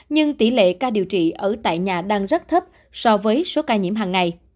nhưng tỷ lệ ca điều trị ở tại nhà đang rất thấp so với số ca nhiễm hàng ngày